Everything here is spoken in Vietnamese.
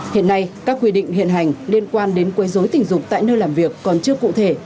hiện nay các quy định hiện hành liên quan đến quấy dối tình dục tại nơi làm việc còn chưa cụ thể